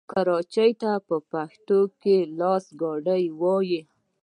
کراچۍ ته په پښتو کې لاسګاډی وايي.